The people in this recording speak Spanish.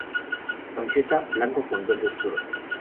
Camiseta:Blanco con Verde oscuro.